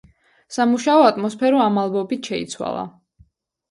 სამუშაო ატმოსფერო ამ ალბომით შეიცვალა.